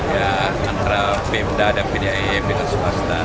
ya antara bemda dan bdim bdm sepasta